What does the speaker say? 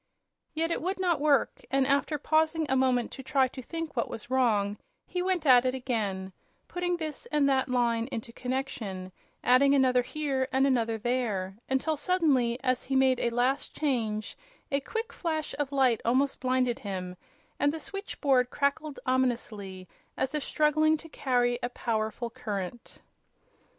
Yet it would not work; and after pausing a moment to try to think what was wrong he went at it again, putting this and that line into connection, adding another here and another there, until suddenly, as he made a last change, a quick flash of light almost blinded him, and the switch board crackled ominously, as if struggling to carry a powerful current.